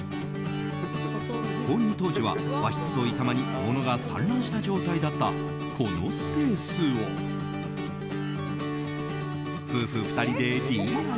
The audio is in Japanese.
購入当時は和室と板間に物が散乱した状態だったこのスペースを夫婦２人でＤＩＹ。